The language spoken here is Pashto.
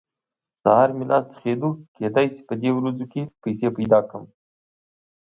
سهار مې لاس تخېدو؛ کېدای شي په دې ورځو کې پيسې پیدا کړم.